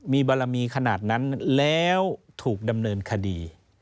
มีบารมีขนาดนั้นแล้วถูกดำเนินคดี